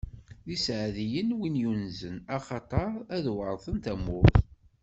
D iseɛdiyen, wid yunzen, axaṭer ad weṛten tamurt!